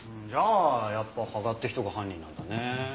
じゃあやっぱ芳賀って人が犯人なんだね。